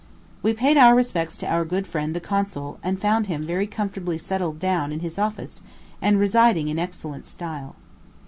We paid our respects to our good friend the consul, and found him very comfortably settled down in his office, and residing in excellent style.